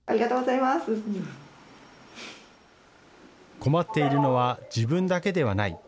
困っているのは自分だけではない。